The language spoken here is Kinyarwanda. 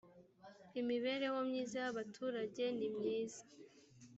imibereho myiza y abaturage nimyiza